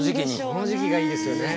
この時期がいいですよね。